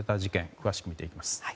詳しく見ていきます。